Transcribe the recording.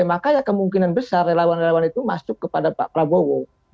maka ya kemungkinan besar relawan relawan itu masuk kepada pak prabowo